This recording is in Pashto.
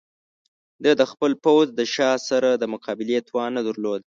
د ده خپل پوځ د شاه سره د مقابلې توان نه درلود.